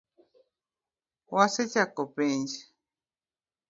Wasechako penj